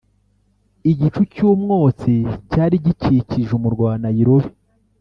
Igicu cy’umwotsi cyari gikikije umurwa wa Nairobi